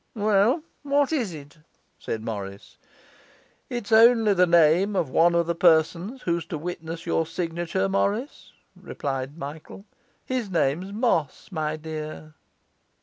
'Well, what is it?' said Morris. 'It's only the name of one of the persons who's to witness your signature, Morris,' replied Michael. 'His name's Moss, my dear.